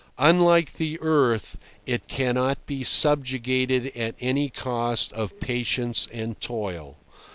Unlike the earth, it cannot be subjugated at any cost of patience and toil.